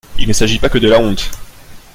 Il ne s’agit pas que de la honte. ..